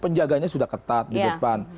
penjaganya sudah ketat di depan